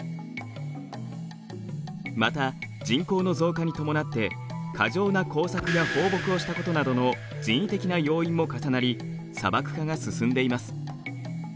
また人口の増加に伴って過剰な耕作や放牧をしたことなどの人為的な要因も重なり砂漠化が進んでいます。